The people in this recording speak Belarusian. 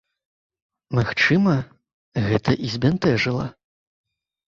Магчыма, гэта і збянтэжыла.